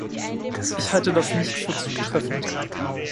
Ich halte das nicht für zutreffend.